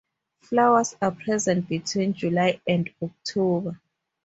Flowers are present between July and October.